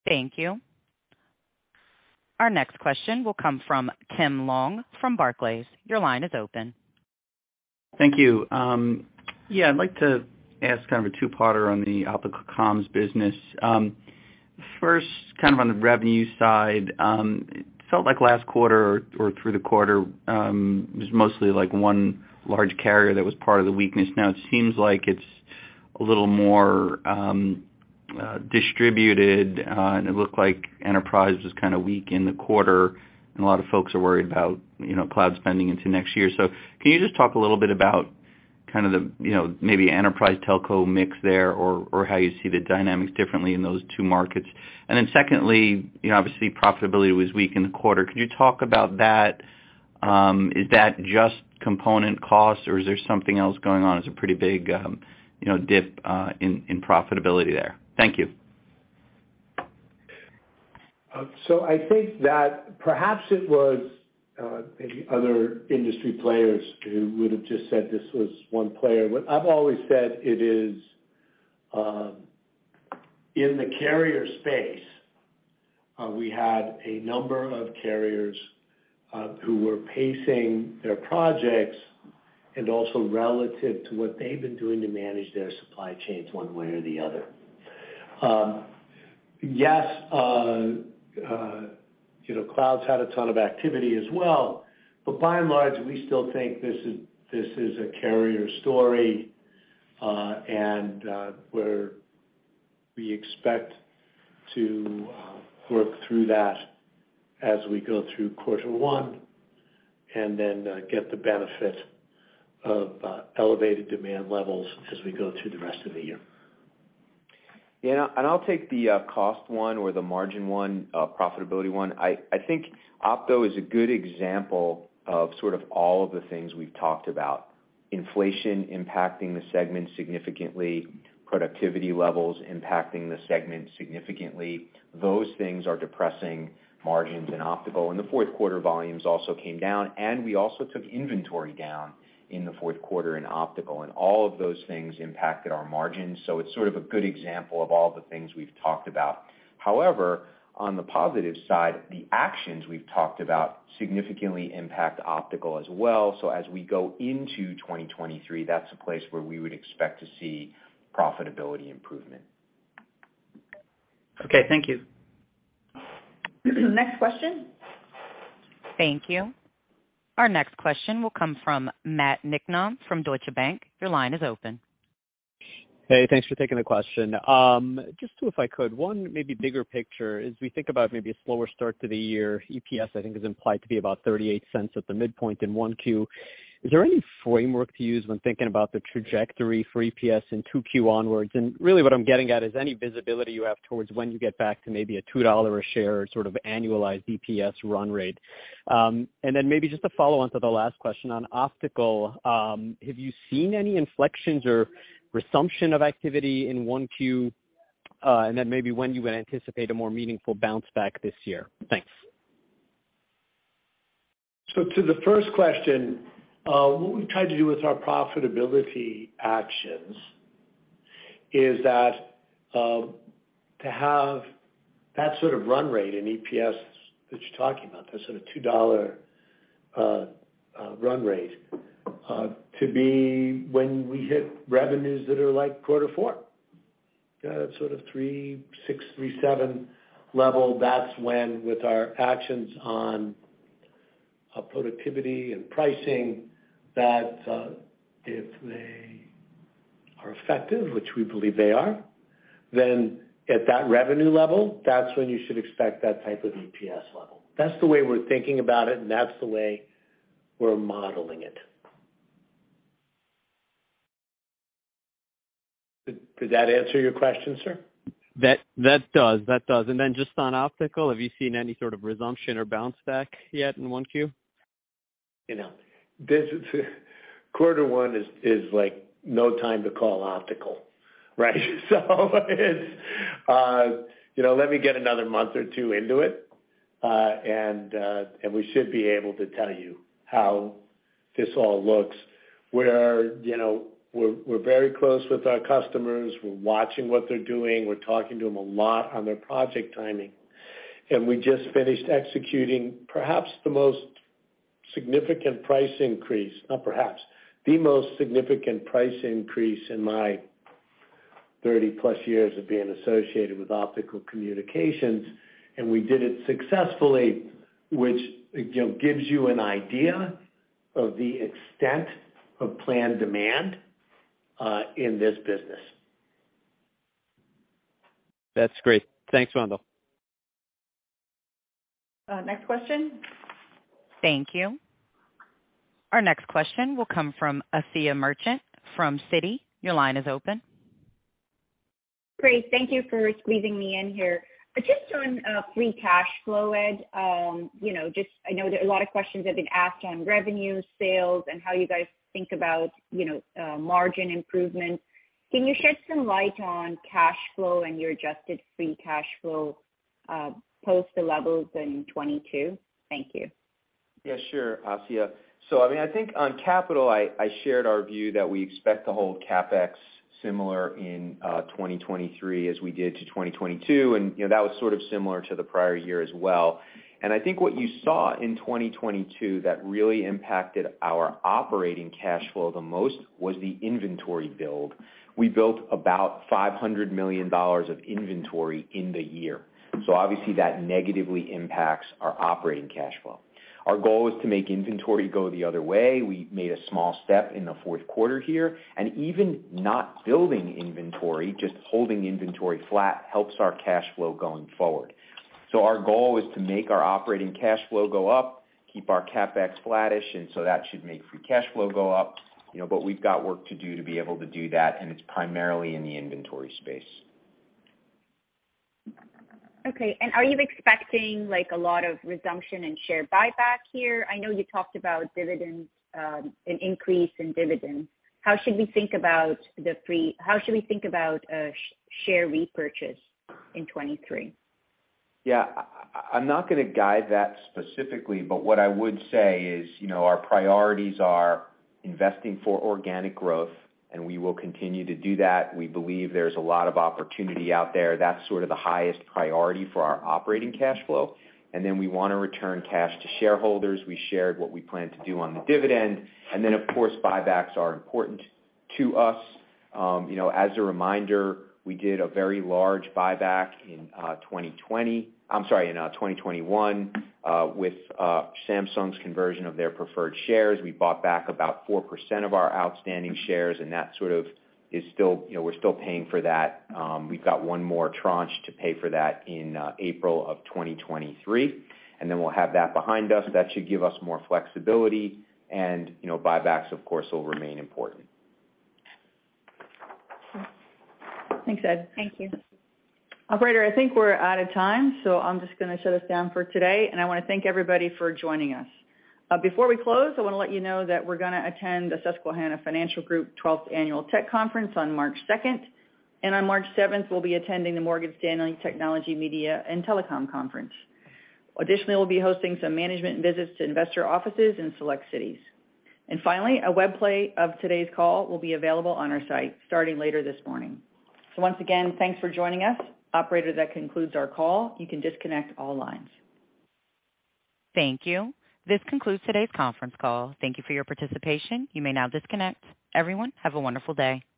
Thank you. Our next question will come from Tim Long from Barclays. Your line is open. Thank you. Yeah, I'd like to ask kind of a 2-parter on the optical comms business. 1st, kind of on the revenue side, it felt like last quarter or through the quarter, was mostly like 1 large carrier that was part of the weakness. Now it seems like it's a little more distributed, and it looked like enterprise was kind of weak in the quarter, and a lot of folks are worried about, you know, cloud spending into next year. Can you just talk a little bit about kind of the, you know, maybe enterprise telco mix there or how you see the dynamics differently in those 2 markets? Secondly, you know, obviously profitability was weak in the quarter. Could you talk about that? Is that just component costs or is there something else going on? It's a pretty big, you know, dip, in profitability there. Thank you. I think that perhaps it was maybe other industry players who would've just said this was 1 player. What I've always said it is, in the carrier space, we had a number of carriers who were pacing their projects and also relative to what they've been doing to manage their supply chains 1 way or the other. Yes, you know, clouds had a ton of activity as well, by and large, we still think this is a carrier story, and we expect to work through that as we go through Q1 and then get the benefit of elevated demand levels as we go through the rest of the year. Yeah. I'll take the cost 1 or the margin 1, profitability 1. I think opto is a good example of sort of all of the things we've talked about. Inflation impacting the segment significantly, productivity levels impacting the segment significantly. Those things are depressing margins in optical. The Q4 volumes also came down, we also took inventory down in the Q4 in optical, all of those things impacted our margins. It's sort of a good example of all the things we've talked about. However, on the positive side, the actions we've talked about significantly impact optical as well. As we go into 2023, that's a place where we would expect to see profitability improvement. Okay. Thank you. Next question. Thank you. Our next question will come from Matt Niknam from Deutsche Bank. Your line is open. Hey, thanks for taking the question. Just 2 if I could. 1, maybe bigger picture. As we think about maybe a slower start to the year, EPS I think is implied to be about $0.38 at the midpoint in 1Q. Is there any framework to use when thinking about the trajectory for EPS in 2Q onwards? Really what I'm getting at is any visibility you have towards when you get back to maybe a $2 a share sort of annualized EPS run rate. Then maybe just a follow-on to the last question on optical. Have you seen any inflections or resumption of activity in 1Q, and then maybe when you would anticipate a more meaningful bounce back this year? Thanks. To the 1st question, what we've tried to do with our profitability actions is that, to have that sort of run rate in EPSs that you're talking about, that sort of $2 run rate, to be when we hit revenues that are like Q4. That sort of $3.6 billion to $3.7 billion level, that's when with our actions on productivity and pricing, that, if they are effective, which we believe they are, then at that revenue level, that's when you should expect that type of EPS level. That's the way we're thinking about it, and that's the way we're modeling it. Did that answer your question, sir? That does. Just on optical, have you seen any sort of resumption or bounce back yet in 1 Q? You know, Q1 is like no time to call optical, right? It's, you know, let me get another month or 2 into it, and we should be able to tell you how this all looks. We're, you know, we're very close with our customers. We're watching what they're doing. We're talking to them a lot on their project timing. We just finished executing perhaps the most significant price increase, not perhaps, the most significant price increase in my 30+ years of being associated with optical communications, and we did it successfully, which, you know, gives you an idea of the extent of planned demand in this business. That's great. Thanks, Wendell. Next question. Thank you. Our next question will come from Asiya Merchant from Citi. Your line is open. Great. Thank you for squeezing me in here. Just on free cash flow, Ed. You know, just I know there are a lot of questions have been asked on revenue, sales, and how you guys think about, you know, margin improvements. Can you shed some light on cash flow and your adjusted free cash flow, post the levels in 22? Thank you. Yeah, sure, Asiya. I mean, I think on capital, I shared our view that we expect to hold CapEx similar in 2023 as we did to 2022, and, you know, that was sort of similar to the prior year as well. I think what you saw in 2022 that really impacted our operating cash flow the most was the inventory build. We built about $500 million of inventory in the year. Obviously that negatively impacts our operating cash flow. Our goal is to make inventory go the other way. We made a small step in the Q4 here, and even not building inventory, just holding inventory flat helps our cash flow going forward. Our goal is to make our operating cash flow go up, keep our CapEx flattish, and so that should make free cash flow go up, you know, but we've got work to do to be able to do that, and it's primarily in the inventory space. Okay. Are you expecting like a lot of resumption in share buyback here? I know you talked about dividends, an increase in dividends. How should we think about share repurchase in 23? Yeah. I'm not gonna guide that specifically, but what I would say is, you know, our priorities are investing for organic growth. We will continue to do that. We believe there's a lot of opportunity out there. That's sort of the highest priority for our operating cash flow. We wanna return cash to shareholders. We shared what we plan to do on the dividend. Of course, buybacks are important to us. You know, as a reminder, we did a very large buyback in 2021 with Samsung's conversion of their preferred shares. We bought back about 4% of our outstanding shares. That sort of is still, you know, we're still paying for that. We've got 1 more tranche to pay for that in April of 2023, and then we'll have that behind us. That should give us more flexibility and, you know, buybacks of course will remain important. Thanks, Ed. Thank you. Operator, I think we're out of time, so I'm just gonna shut us down for today, and I wanna thank everybody for joining us. Before we close, I wanna let you know that we're gonna attend the Susquehanna Financial Group 12th Annual Tech Conference on March 2nd. On March 7th, we'll be attending the Morgan Stanley Technology, Media, and Telecom Conference. Additionally, we'll be hosting some management visits to investor offices in select cities. Finally, a web play of today's call will be available on our site starting later this morning. Once again, thanks for joining us. Operator, that concludes our call. You can disconnect all lines. Thank you. This concludes today's conference call. Thank you for your participation. You may now disconnect. Everyone, have a wonderful day.